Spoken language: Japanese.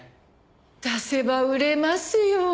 出せば売れますよ。